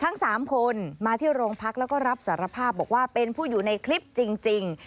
ทั้ง๓คนมาที่โรงพักแล้วก็รับสารภาพบอกว่าเป็นผู้อยู่ในคลิปจริง